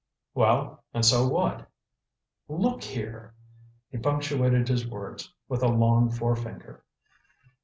"Well—and so what?" "Look here!" He punctuated his words with a long forefinger.